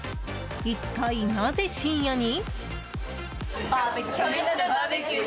一体なぜ深夜に？